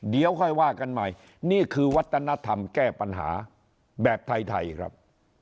เดี๋ยวค่อยว่ากันใหม่นี่คือวัฒนธรรมแก้ปัญหาแบบไทยครับ